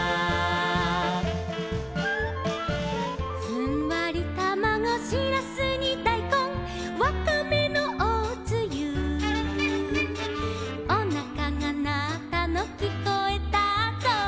「ふんわりたまご」「しらすにだいこん」「わかめのおつゆ」「おなかがなったのきこえたぞ」